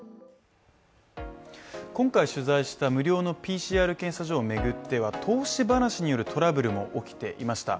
今回取材した無料のＰＣＲ検査場を巡っては投資話によるトラブルも起きていました。